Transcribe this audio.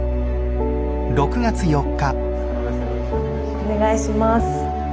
お願いします。